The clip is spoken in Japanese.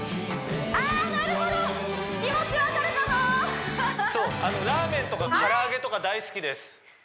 あなるほど気持ち分かるかもそうラーメンとか唐揚げとか大好きです